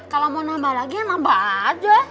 kalo mau nambah lagi nambah aja